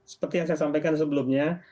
seperti yang saya sampaikan sebelumnya